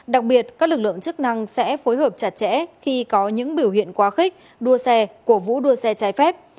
đặc biệt các lực lượng chức năng sẽ phối hợp chặt chẽ khi có những biểu hiện quá khích đua xe cổ vũ đua xe trái phép